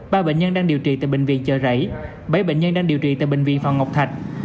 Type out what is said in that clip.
ba bệnh nhân đang điều trị tại bệnh viện chợ rẫy bảy bệnh nhân đang điều trị tại bệnh viện phạm ngọc thạch